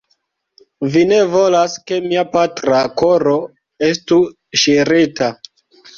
Vi ne volas, ke mia patra koro estu ŝirita.